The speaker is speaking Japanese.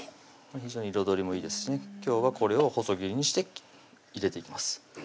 非常に彩りもいいですしね今日はこれを細切りにして入れていきます